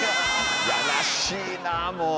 やらしいなもう。